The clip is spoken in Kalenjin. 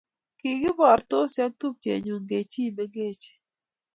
Kikiborsoti ak tupchenyu kechi mengechen